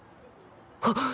はっ！